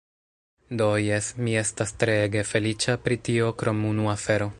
Do, jes, mi estas tre ege feliĉa pri tio krom unu afero!